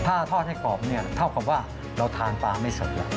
ถ้าทอดให้กรอบเนี่ยเท่ากับว่าเราทานปลาไม่เสร็จแล้ว